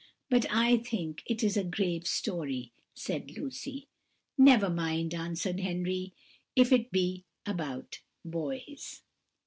"But I think it is a grave story," said Lucy. "Never mind," answered Henry, "if it be about boys."